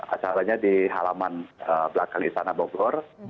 acaranya di halaman belakang istana bogor